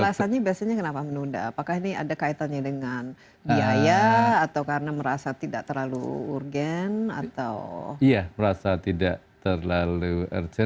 jadi alasannya biasanya kenapa menunda apakah ini ada kaitannya dengan biaya atau karena merasa tidak terlalu urgen atau